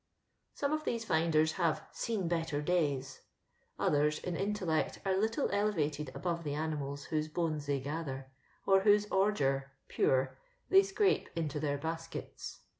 Some of tbese finders have "seen better days;" others, in intellect, are little elevated above the animals whoso Ixmes they gather, or whose ontare (« pure ), they scrape into their baskets.